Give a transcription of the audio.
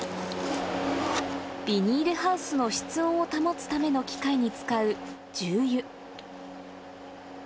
ビニールハウスの室温を保つための機械に使う重油。